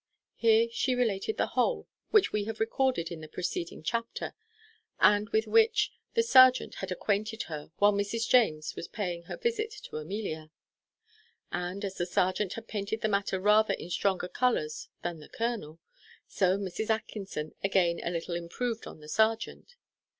Here she related the whole, which we have recorded in the preceding chapter, and with which the serjeant had acquainted her while Mrs. James was paying her visit to Amelia. And, as the serjeant had painted the matter rather in stronger colours than the colonel, so Mrs. Atkinson again a little improved on the serjeant.